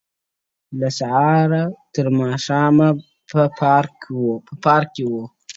• له سهاره ترماښامه به پر کار وو -